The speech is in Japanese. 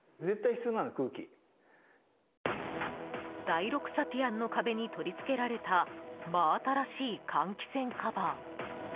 第６サティアンの壁に取り付けられた真新しい換気扇カバー。